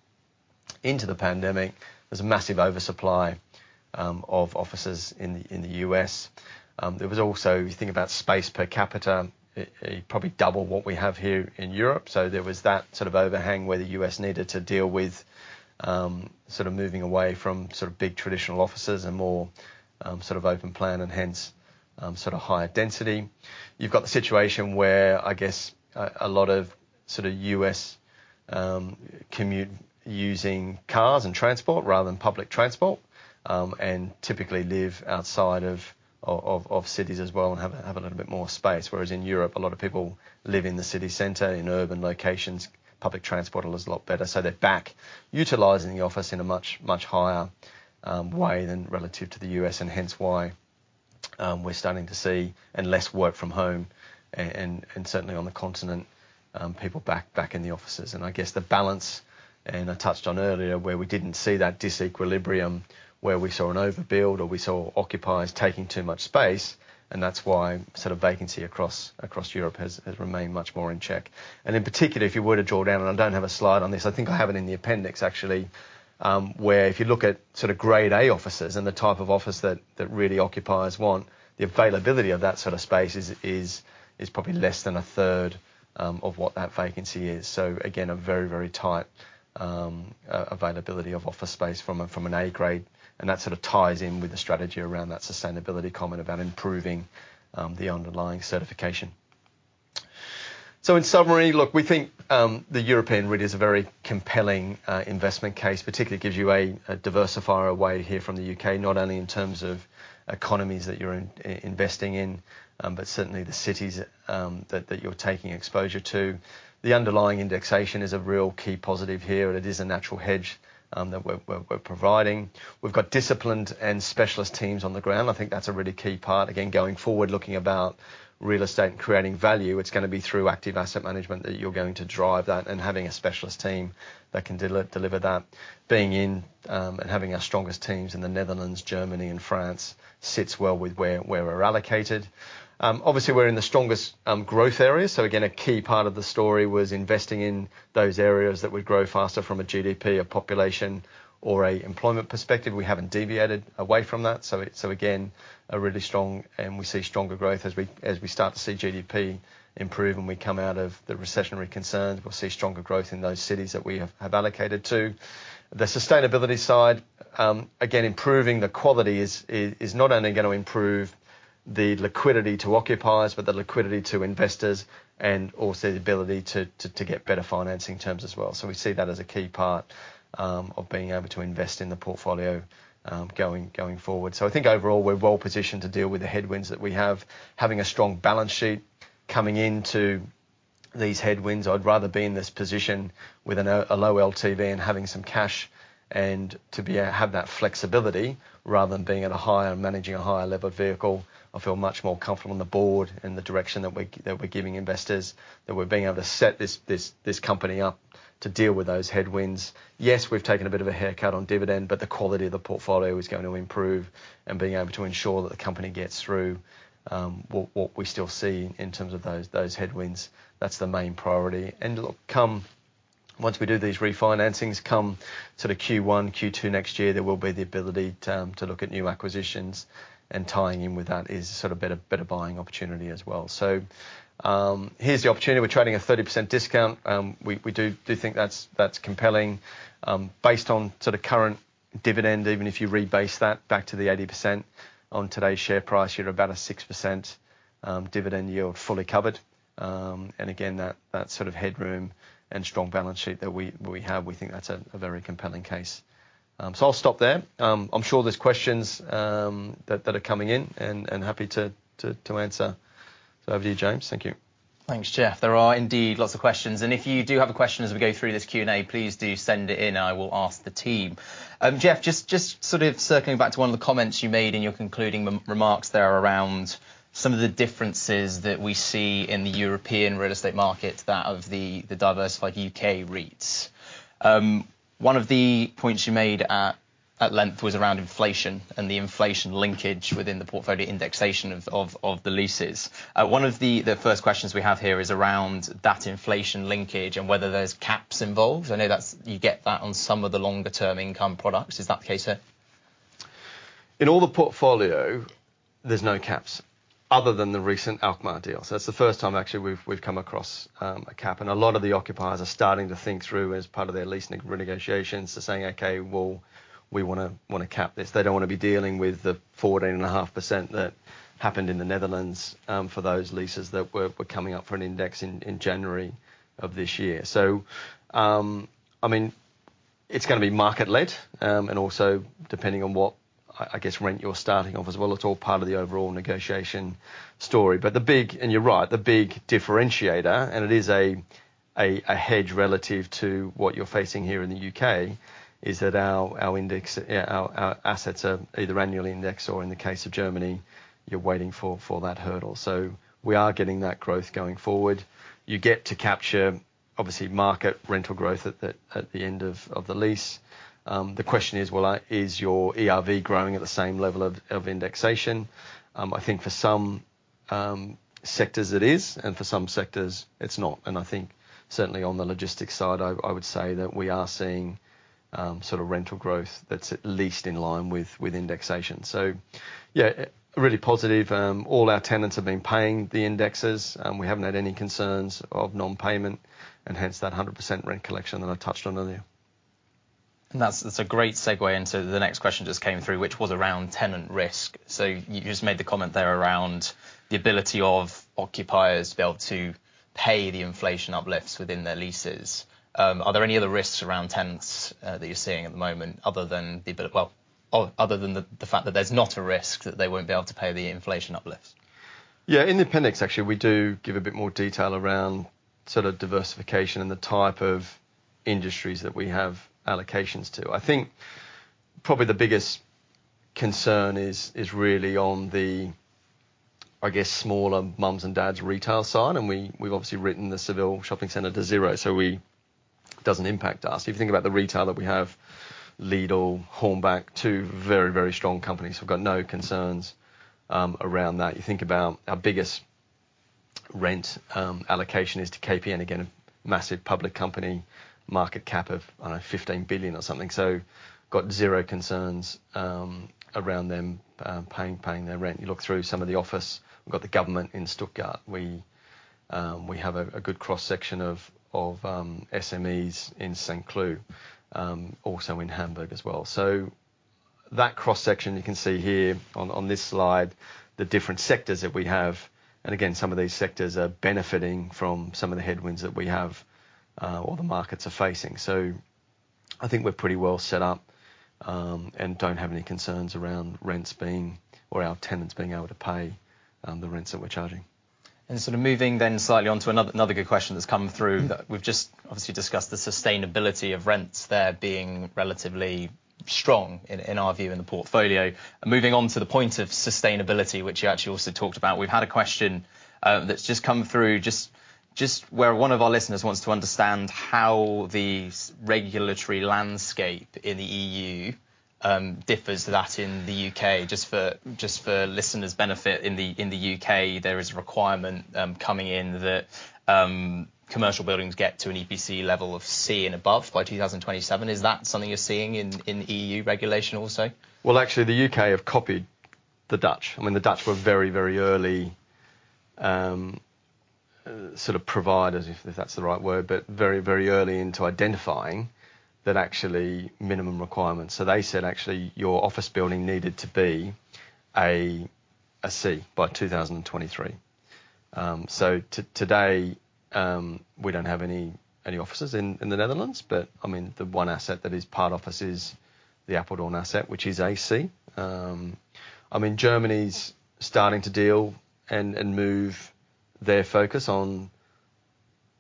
into the pandemic, there was a massive oversupply of offices in the US. There was also. You think about space per capita, it probably double what we have here in Europe. There was that sort of overhang where the US needed to deal with sort of moving away from sort of big, traditional offices and more sort of open plan and hence sort of higher density. You've got the situation where I guess, a lot of sort of US commute using cars and transport rather than public transport, and typically live outside of cities as well and have a little bit more space, whereas in Europe, a lot of people live in the city center, in urban locations. Public transport is a lot better, so they're back utilizing the office in a much higher way than relative to the US, and hence why we're starting to see less work from home and certainly on the continent, people back in the offices. I guess the balance, and I touched on earlier, where we didn't see that disequilibrium where we saw an overbuild or we saw occupiers taking too much space, that's why sort of vacancy across Europe has remained much more in check. In particular, if you were to draw down, and I don't have a slide on this, I think I have it in the appendix, actually, where if you look at sort of grade A offices and the type of office that really occupiers want, the availability of that sort of space is probably less than a third of what that vacancy is. Again, a very, very tight availability of office space from an A grade, and that sort of ties in with the strategy around that sustainability comment about improving the underlying certification. In summary, look, we think the European REIT is a very compelling investment case, particularly gives you a diversifier away here from the U.K., not only in terms of economies that you're investing in, but certainly the cities that you're taking exposure to. The underlying indexation is a real key positive here, and it is a natural hedge that we're providing. We've got disciplined and specialist teams on the ground. I think that's a really key part. Again, going forward, looking about real estate and creating value, it's gonna be through active asset management that you're going to drive that and having a specialist team that can deliver that. Being in and having our strongest teams in the Netherlands, Germany and France sits well with where we're allocated. Obviously, we're in the strongest growth areas, again, a key part of the story was investing in those areas that would grow faster from a GDP, a population, or a employment perspective. We haven't deviated away from that, again, a really strong... We see stronger growth as we start to see GDP improve and we come out of the recessionary concerns. We'll see stronger growth in those cities that we have allocated to. The sustainability side, again, improving the quality is not only gonna improve the liquidity to occupiers, but the liquidity to investors and also the ability to get better financing terms as well. We see that as a key part of being able to invest in the portfolio going forward. I think overall, we're well positioned to deal with the headwinds that we have. Having a strong balance sheet coming into these headwinds, I'd rather be in this position with a low LTV and having some cash and to be, have that flexibility, rather than being at a higher, managing a higher levered vehicle. I feel much more comfortable on the board and the direction that we're giving investors, that we're being able to set this company up to deal with those headwinds. Yes, we've taken a bit of a haircut on dividend, but the quality of the portfolio is going to improve and being able to ensure that the company gets through, what we still see in terms of those headwinds. That's the main priority. Look, come... Once we do these refinancings, come sort of Q1, Q2 next year, there will be the ability to look at new acquisitions, and tying in with that is a sort of better buying opportunity as well. Here's the opportunity. We're trading a 30% discount. We do think that's compelling. Based on sort of current dividend, even if you rebase that back to the 80% on today's share price, you're about a 6% dividend yield, fully covered. Again, that sort of headroom and strong balance sheet that we have, we think that's a very compelling case. I'll stop there. I'm sure there's questions that are coming in and happy to answer. Over to you, James. Thank you. Thanks, Jeff. There are indeed lots of questions. If you do have a question as we go through this Q&A, please do send it in, and I will ask the team. Jeff, just sort of circling back to one of the comments you made in your concluding remarks there around some of the differences that we see in the European real estate market, that of the diversified UK REITs. One of the points you made at length was around inflation and the inflation linkage within the portfolio indexation of the leases. One of the first questions we have here is around that inflation linkage and whether there's caps involved. I know you get that on some of the longer-term income products. Is that the case here? In all the portfolio, there's no caps other than the recent Alkmaar deal. That's the first time, actually, we've come across a cap, and a lot of the occupiers are starting to think through as part of their leasing renegotiations. They're saying, "Okay, well, we wanna cap this." They don't wanna be dealing with the 14.5% that happened in the Netherlands for those leases that were coming up for an index in January of this year. I mean, it's gonna be market-led, and also depending on what, I guess, rent you're starting off as well. It's all part of the overall negotiation story. The big... You're right, the big differentiator, and it is a hedge relative to what you're facing here in the U.K., is that our index, yeah, our assets are either annually indexed or in the case of Germany, you're waiting for that hurdle. We are getting that growth going forward. You get to capture, obviously, market rental growth at the end of the lease. The question is, well, is your ERV growing at the same level of indexation? I think for some sectors it is, and for some sectors, it's not. I think certainly on the logistics side, I would say that we are seeing sort of rental growth that's at least in line with indexation. Yeah, really positive. All our tenants have been paying the indexes, and we haven't had any concerns of non-payment, and hence that 100% rent collection that I touched on earlier. That's a great segue into the next question, just came through, which was around tenant risk. You just made the comment there around the ability of occupiers to be able to pay the inflation uplifts within their leases. Are there any other risks around tenants that you're seeing at the moment, other than the fact that there's not a risk that they won't be able to pay the inflation uplifts? In the appendix, actually, we do give a bit more detail around sort of diversification and the type of industries that we have allocations to. I think probably the biggest concern is really on the, I guess, smaller moms and dads' retail side, and we've obviously written the Metromar shopping center to 0, so it doesn't impact us. If you think about the retail that we have, Lidl, Hornbach, two very, very strong companies, we've got no concerns around that. You think about our biggest rent allocation is to KPN, again, a massive public company, market cap of 15 billion or something. Got 0 concerns around them paying their rent. You look through some of the office, we've got the government in Stuttgart. We have a good cross-section of SMEs in Saint Cloud, also in Hamburg as well. That cross-section, you can see here on this slide, the different sectors that we have. Again, some of these sectors are benefiting from some of the headwinds that we have, or the markets are facing. I think we're pretty well set up and don't have any concerns around rents being or our tenants being able to pay the rents that we're charging. Sort of moving then slightly on to another good question that's come through. We've just obviously discussed the sustainability of rents there being relatively strong in our view, in the portfolio. Moving on to the point of sustainability, which you actually also talked about, we've had a question that's just come through just where one of our listeners wants to understand how the regulatory landscape in the EU differs to that in the UK. Just for listeners' benefit, in the UK, there is a requirement coming in that commercial buildings get to an EPC level of C and above by 2027. Is that something you're seeing in EU regulation also? Well, actually, the U.K. have copied the Dutch. I mean, the Dutch were very, very early, sort of providers, if that's the right word, but very, very early into identifying that actually minimum requirements. They said, actually, your office building needed to be a C by 2023. today, we don't have any offices in the Netherlands, but, I mean, the one asset that is part office is the Apeldoorn asset, which is a C. I mean, Germany's starting to deal and move their focus on...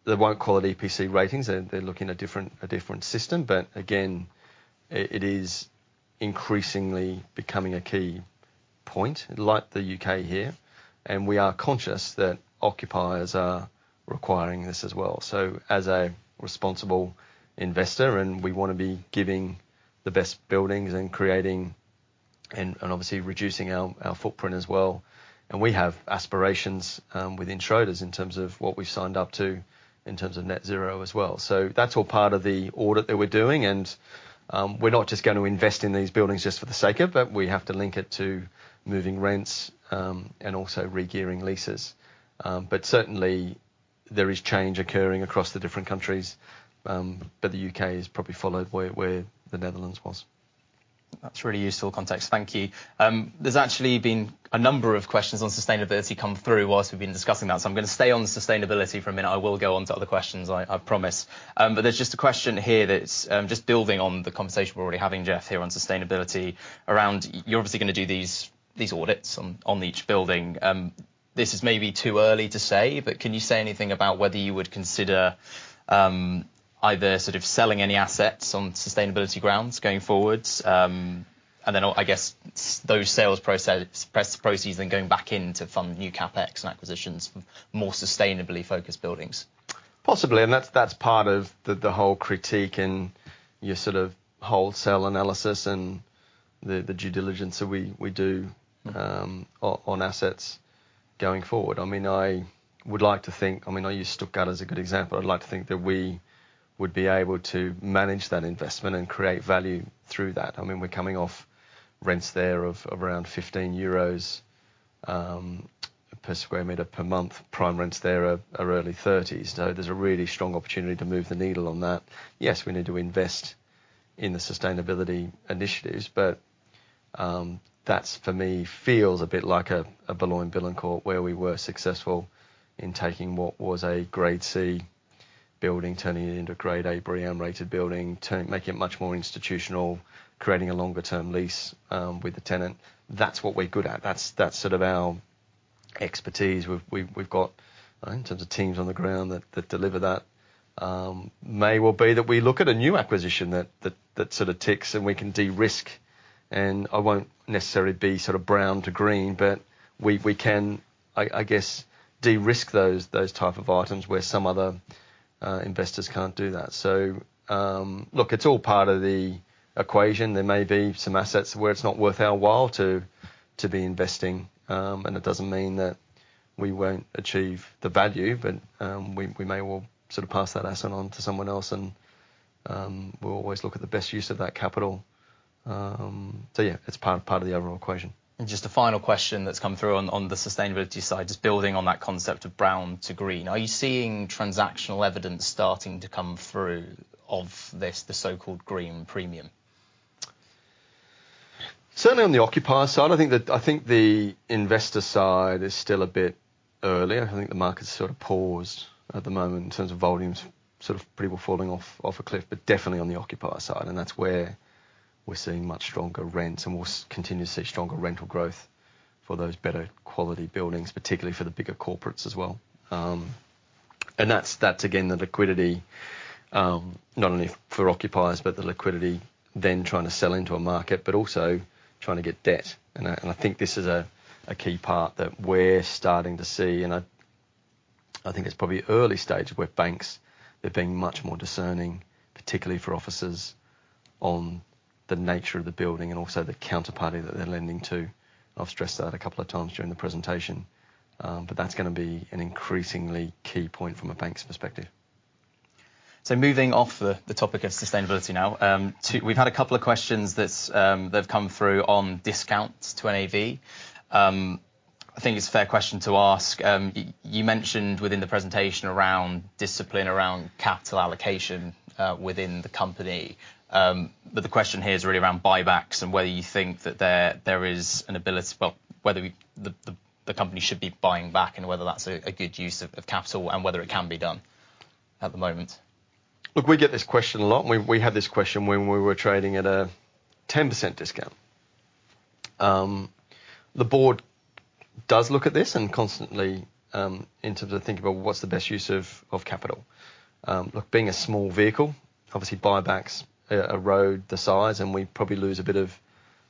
They won't call it EPC ratings. They're looking at a different system, but again, it is increasingly becoming a key point, like the U.K. here, and we are conscious that occupiers are requiring this as well. As a responsible investor, and we wanna be giving the best buildings and creating and obviously reducing our footprint as well, and we have aspirations within Schroders in terms of what we've signed up to in terms of net zero as well. That's all part of the audit that we're doing, and we're not just gonna invest in these buildings just for the sake of it. We have to link it to moving rents, and also regearing leases. Certainly, there is change occurring across the different countries, but the UK has probably followed where the Netherlands was. That's really useful context. Thank you. There's actually been a number of questions on sustainability come through whilst we've been discussing that, I'm gonna stay on sustainability for a minute. I will go on to other questions, I promise. There's just a question here that's just building on the conversation we're already having, Jeff, here on sustainability. You're obviously gonna do these audits on each building. This is maybe too early to say, but can you say anything about whether you would consider either sort of selling any assets on sustainability grounds going forward. Then, I guess those sales proceeds then going back in to fund new CapEx and acquisitions for more sustainably focused buildings. Possibly, that's part of the whole critique and your sort of wholesale analysis and the due diligence that we do. Mm-hmm... on assets going forward. I mean, I would like to think, I mean, I use Stuttgart as a good example. I'd like to think that we would be able to manage that investment and create value through that. I mean, we're coming off rents there of, around 15 euros per square meter per month. Prime rents there are early EUR 30s, so there's a really strong opportunity to move the needle on that. Yes, we need to invest in the sustainability initiatives, that, for me, feels a bit like a Boulogne-Billancourt, where we were successful in taking what was a grade C building, turning it into a grade A BREEAM-rated building, making it much more institutional, creating a longer-term lease with the tenant. That's what we're good at. That's sort of our expertise. We've got, in terms of teams on the ground that deliver that. May well be that we look at a new acquisition that sort of ticks, and we can de-risk, and it won't necessarily be sort of brown to green, but we can, I guess, de-risk those type of items where some other investors can't do that. Look, it's all part of the equation. There may be some assets where it's not worth our while to be investing, and it doesn't mean that we won't achieve the value, but we may well sort of pass that asset on to someone else, and we'll always look at the best use of that capital. Yeah, it's part of the overall equation. Just a final question that's come through on the sustainability side, just building on that concept of brown to green. Are you seeing transactional evidence starting to come through of this, the so-called green premium? Certainly on the occupier side. I think the investor side is still a bit early. I think the market's sort of paused at the moment in terms of volumes, sort of people falling off a cliff. Definitely on the occupier side, that's where we're seeing much stronger rents. We'll continue to see stronger rental growth for those better quality buildings, particularly for the bigger corporates as well. That's again, the liquidity, not only for occupiers, but the liquidity, then trying to sell into a market, also trying to get debt. I think this is a key part that we're starting to see, and I think it's probably early stages, where banks are being much more discerning, particularly for offices, on the nature of the building and also the counterparty that they're lending to. I've stressed that a couple of times during the presentation, but that's gonna be an increasingly key point from a bank's perspective. Moving off the topic of sustainability now. We've had a couple of questions that have come through on discounts to NAV. I think it's a fair question to ask. You mentioned within the presentation around discipline, around capital allocation within the company. The question here is really around buybacks and whether you think that there is an ability. Well, whether the company should be buying back and whether that's a good use of capital and whether it can be done at the moment. Look, we get this question a lot, and we had this question when we were trading at a 10% discount. The board does look at this and constantly, in terms of thinking about what's the best use of capital. Look, being a small vehicle, obviously, buybacks erode the size, and we'd probably lose a bit of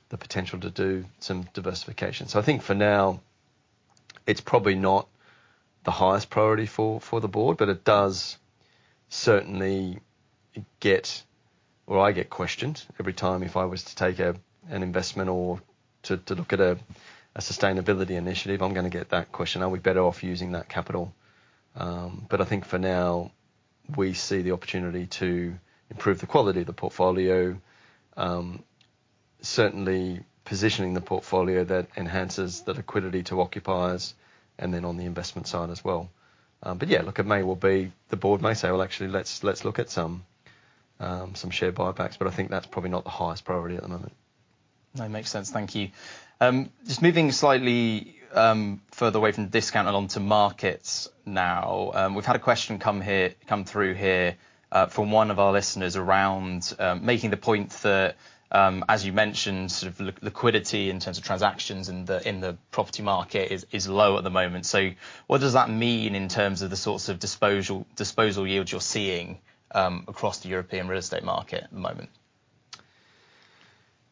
the potential to do some diversification. I think for now, it's probably not the highest priority for the board, but it does certainly get, or I get questioned every time if I was to take an investment or to look at a sustainability initiative. I'm gonna get that question: "Are we better off using that capital?" I think for now, we see the opportunity to improve the quality of the portfolio. Certainly positioning the portfolio that enhances the liquidity to occupiers and then on the investment side as well. Yeah, look, it may well be the board may say, "Well, actually, let's look at some share buybacks," but I think that's probably not the highest priority at the moment. No, makes sense. Thank you. Just moving slightly further away from the discount and on to markets now. We've had a question come here, come through here from one of our listeners around making the point that as you mentioned, sort of liquidity in terms of transactions in the, in the property market is low at the moment. What does that mean in terms of the sorts of disposal yields you're seeing across the European real estate market at the moment?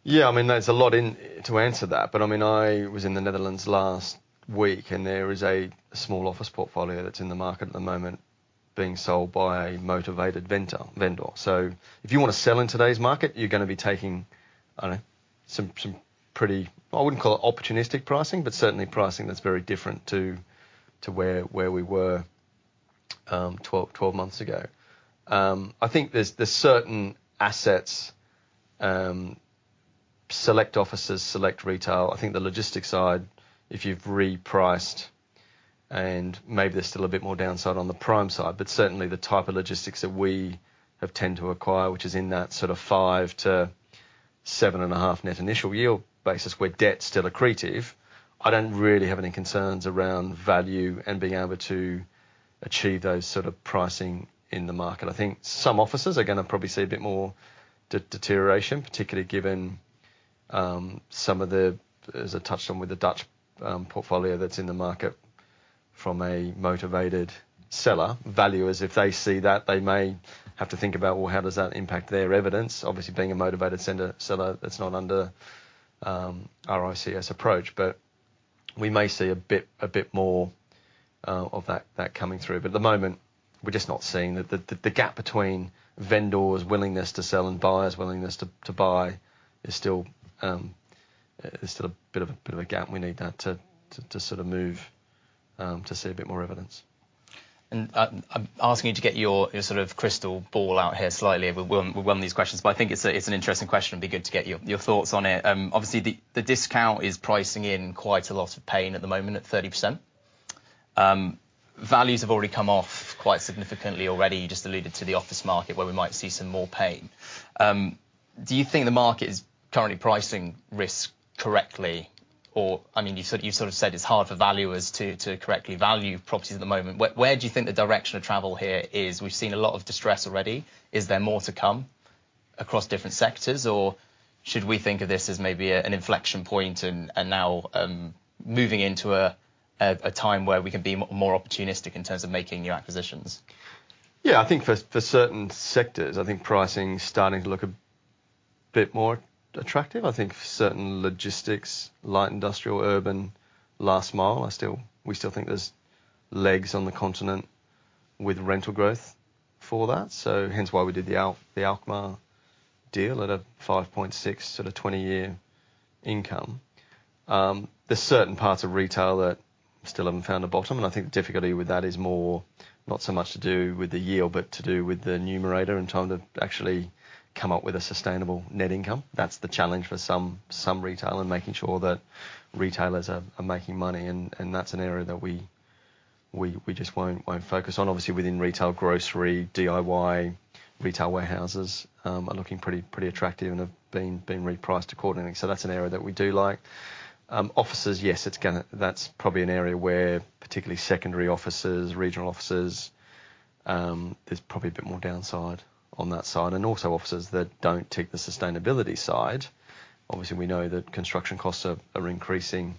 I mean, there's a lot in to answer that. I mean, I was in the Netherlands last week, and there is a small office portfolio that's in the market at the moment being sold by a motivated vendor. If you want to sell in today's market, you're gonna be taking, I don't know, some pretty, I wouldn't call it opportunistic pricing, but certainly pricing that's very different to where we were 12 months ago. I think there's certain assets, select offices, select retail. I think the logistics side, if you've repriced and maybe there's still a bit more downside on the prime side, but certainly the type of logistics that we have tend to acquire, which is in that sort of 5%-7.5% net initial yield basis, where debt's still accretive, I don't really have any concerns around value and being able to achieve those sort of pricing in the market. I think some offices are gonna probably see a bit more deterioration, particularly given some of the, as I touched on with the Dutch portfolio that's in the market from a motivated seller, valuers, if they see that, they may have to think about, well, how does that impact their evidence? Obviously, being a motivated seller, that's not under our ICS approach. We may see a bit more of that coming through. At the moment, we're just not seeing. The gap between vendors' willingness to sell and buyers' willingness to buy is still, there's still a bit of a gap, we need that to sort of move to see a bit more evidence. I'm asking you to get your sort of crystal ball out here slightly. We'll run these questions, but I think it's an interesting question, it'd be good to get your thoughts on it. Obviously, the discount is pricing in quite a lot of pain at the moment, at 30%. Values have already come off quite significantly already. You just alluded to the office market, where we might see some more pain. Do you think the market is currently pricing risk correctly? Or, I mean, you sort of said it's hard for valuers to correctly value properties at the moment. Where do you think the direction of travel here is? We've seen a lot of distress already. Is there more to come across different sectors, or should we think of this as maybe an inflection point, and now, moving into a time where we can be more opportunistic in terms of making new acquisitions? Yeah, I think for certain sectors, I think pricing is starting to look a bit more attractive. I think for certain logistics, light industrial, urban, last mile, we still think there's legs on the continent with rental growth for that. Hence why we did the Alkmaar deal at a 5.6 sort of 20-year income. There's certain parts of retail that still haven't found a bottom, and I think the difficulty with that is more, not so much to do with the yield, but to do with the numerator and trying to actually come up with a sustainable net income. That's the challenge for some retail and making sure that retailers are making money, and that's an area that we just won't focus on. Obviously, within retail, grocery, DIY, retail warehouses are looking pretty attractive and have been repriced accordingly. That's an area that we do like. Offices, yes, that's probably an area where, particularly secondary offices, regional offices, there's probably a bit more downside on that side, and also offices that don't tick the sustainability side. Obviously, we know that construction costs are increasing.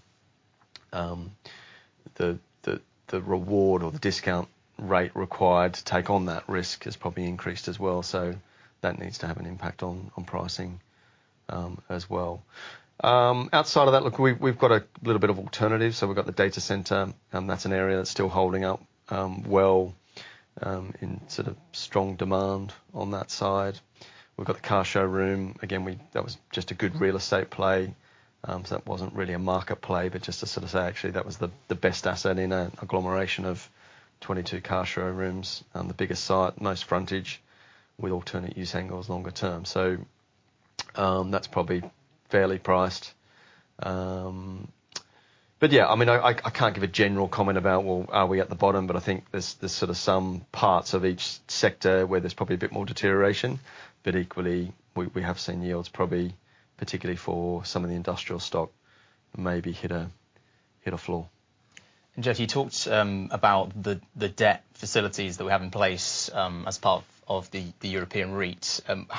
The reward or the discount rate required to take on that risk has probably increased as well, so that needs to have an impact on pricing as well. Outside of that, look, we've got a little bit of alternative. We've got the data center, and that's an area that's still holding up well in sort of strong demand on that side. We've got the car showroom. Again, that was just a good real estate play. That wasn't really a market play, but just to sort of say, actually, that was the best asset in an agglomeration of 22 car showrooms. The biggest site, most frontage with alternate use angles longer term. That's probably fairly priced. Yeah, I mean, I can't give a general comment about, well, are we at the bottom, but I think there's sort of some parts of each sector where there's probably a bit more deterioration. Equally, we have seen yields, probably, particularly for some of the industrial stock, maybe hit a floor. Jeff, you talked about the debt facilities that we have in place as part of the European REIT. One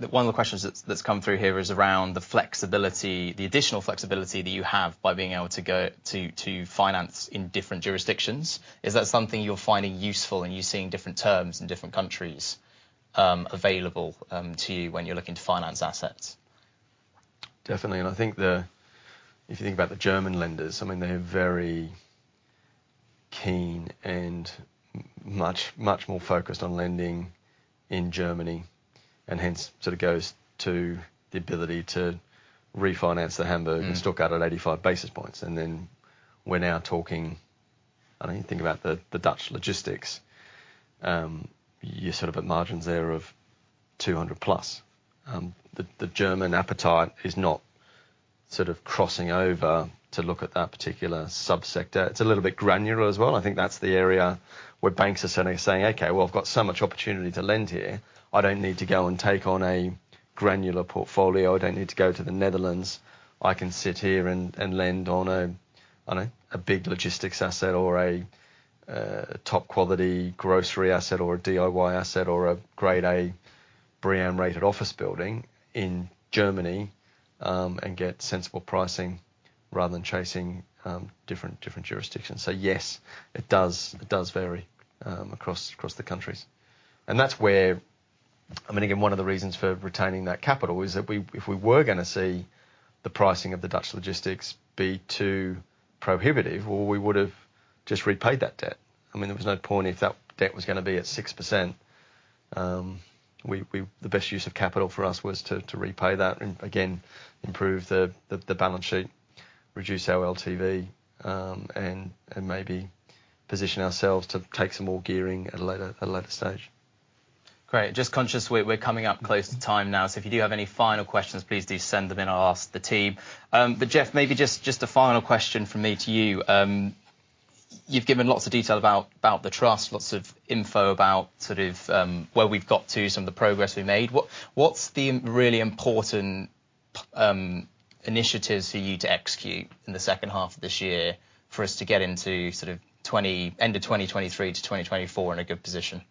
of the questions that's come through here is around the flexibility, the additional flexibility that you have by being able to go to finance in different jurisdictions. Is that something you're finding useful, and you're seeing different terms in different countries available to you when you're looking to finance assets? Definitely, I think if you think about the German lenders, I mean, they're very keen and much, much more focused on lending in Germany, and hence, sort of goes to the ability to refinance the Hamburg- Mm. Stock out at 85 basis points. We're now talking, I don't know, you think about the Dutch logistics, you're sort of at margins there of 200 plus. The German appetite is not sort of crossing over to look at that particular subsector. It's a little bit granular as well. I think that's the area where banks are suddenly saying, "Okay, well, I've got so much opportunity to lend here. I don't need to go and take on a granular portfolio. I don't need to go to the Netherlands. I can sit here and lend on a big logistics asset or a top-quality grocery asset or a DIY asset, or a grade A BREEAM-rated office building in Germany, and get sensible pricing, rather than chasing different jurisdictions. Yes, it does vary across the countries. That's where, I mean, again, one of the reasons for retaining that capital is that if we were gonna see the pricing of the Dutch logistics be too prohibitive, well, we would have just repaid that debt. I mean, there was no point if that debt was gonna be at 6%. The best use of capital for us was to repay that and again, improve the balance sheet, reduce our LTV, and maybe position ourselves to take some more gearing at a later stage. Great. Just conscious we're coming up close to time now, so if you do have any final questions, please do send them in. I'll ask the team. Jeff, maybe just a final question from me to you. You've given lots of detail about the trust, lots of info about sort of where we've got to, some of the progress we've made. What's the really important initiatives for you to execute in the second half of this year for us to get into sort of end of 2023 to 2024 in a good position?...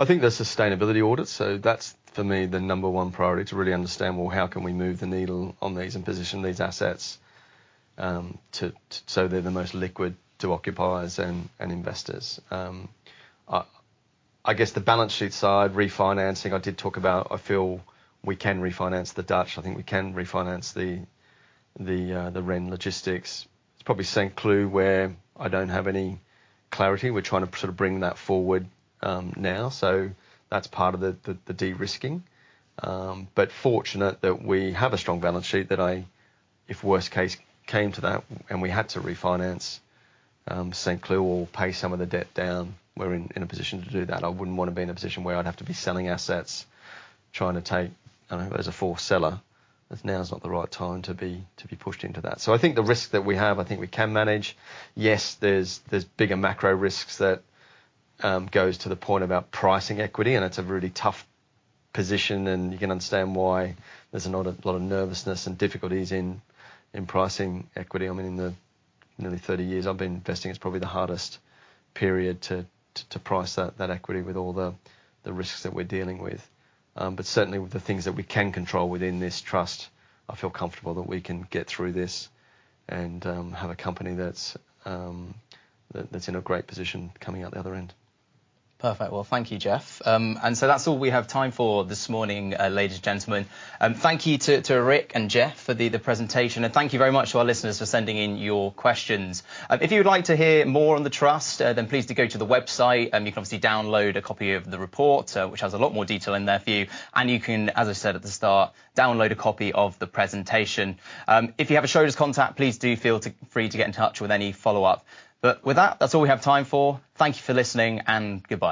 I think there's sustainability audits, so that's for me, the number one priority to really understand, well, how can we move the needle on these and position these assets, to, so they're the most liquid to occupiers and investors? I guess the balance sheet side, refinancing, I did talk about I feel we can refinance the Dutch. I think we can refinance the Rennes logistics. It's probably Saint Cloud where I don't have any clarity. We're trying to sort of bring that forward, now, so that's part of the de-risking. Fortunate that we have a strong balance sheet that I, if worst case, came to that, and we had to refinance, Saint Cloud or pay some of the debt down, we're in a position to do that. I wouldn't want to be in a position where I'd have to be selling assets, trying to take, I don't know, as a forced seller, as now is not the right time to be, to be pushed into that. I think the risk that we have, I think we can manage. Yes, there's bigger macro risks that goes to the point about pricing equity, and it's a really tough position, and you can understand why there's a lot of nervousness and difficulties in pricing equity. I mean, in the nearly 30 years I've been investing, it's probably the hardest period to price that equity with all the risks that we're dealing with. Certainly with the things that we can control within this Trust, I feel comfortable that we can get through this and have a company that's in a great position coming out the other end. Perfect. Well, thank you, Jeff. That's all we have time for this morning, ladies and gentlemen. Thank you to Rick and Jeff for the presentation, and thank you very much to our listeners for sending in your questions. If you'd like to hear more on the Trust, then please do go to the website, and you can obviously download a copy of the report, which has a lot more detail in there for you, and you can, as I said at the start, download a copy of the presentation. If you have a Schroders contact, please do feel free to get in touch with any follow-up. With that's all we have time for. Thank you for listening and goodbye.